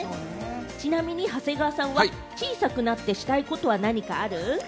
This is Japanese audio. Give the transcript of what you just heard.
ちなみに長谷川さんは小さくなってしたいことは何かある？